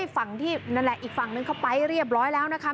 ฝั่งที่นั่นแหละอีกฝั่งนึงเขาไปเรียบร้อยแล้วนะคะ